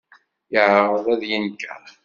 Yeɛreḍ ad d-yenker.